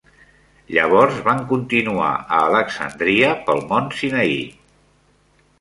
Llavors van continuar a Alexandria pel Mont Sinai.